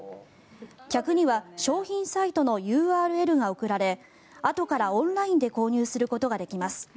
客には商品サイトのＵＲＬが送られあとからオンラインで購入することができます。